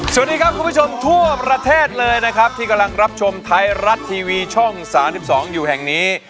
สวัสดีครับคุณผู้ชมทั่วประเทศเลยนะครับที่กำลังรับชมไทยรัฐทีวีช่อง๓๒อยู่แห่งนี้